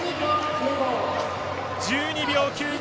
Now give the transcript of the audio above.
１２秒９５。